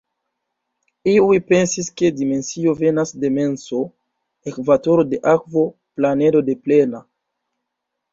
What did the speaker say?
Iuj pensis, ke dimensio venas de menso, ekvatoro de akvo, planedo de plena!